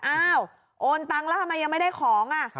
โอนตังค์แล้วทำไมยังไม่ได้ของ